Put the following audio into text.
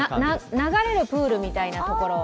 流れるプールみたいなところ？